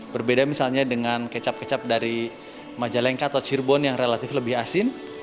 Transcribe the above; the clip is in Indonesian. berbeda misalnya dengan kecap kecap dari majalengka atau cirebon yang relatif lebih asin